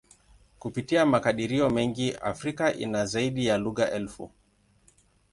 Kupitia makadirio mengi, Afrika ina zaidi ya lugha elfu.